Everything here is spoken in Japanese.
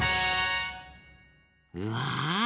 うわ！